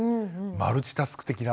マルチタスク的な。